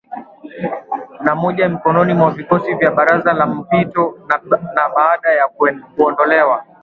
na moja mikononi mwa vikosi vya Baraza la Mpito na ni baada ya kuondolewa